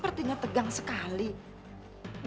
pati di tengah kita itu